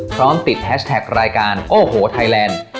พร้อมติดแฮชแท็กรายการโอ้โหไทยแลนด์